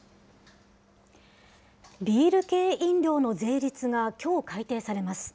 ビール系飲料の税率がきょう改定されます。